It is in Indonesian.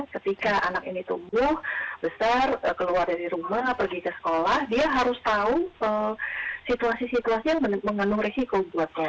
ketika anak ini tumbuh besar keluar dari rumah pergi ke sekolah dia harus tahu situasi situasi yang mengandung risiko buatnya